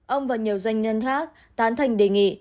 ông và nhiều doanh nhân khác tán thành đề nghị